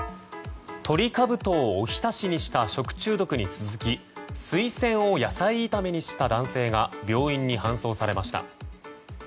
トリカブトをおひたしにした食中毒に続きスイセンを野菜炒めにした男性が病院に搬送されました。